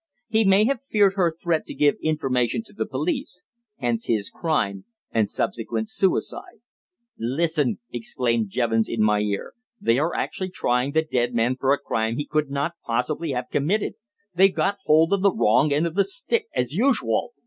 He may have feared her threat to give information to the police; hence his crime, and subsequent suicide." "Listen!" exclaimed Jevons in my ear. "They are actually trying the dead man for a crime he could not possibly have committed! They've got hold of the wrong end of the stick, as usual.